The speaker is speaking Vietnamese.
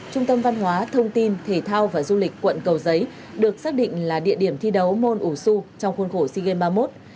trung tâm văn hóa thông tin thể thao và du lịch quận cầu giấy được xác định là địa điểm thi đấu môn ủ xu trong khuôn khổ sea games ba mươi một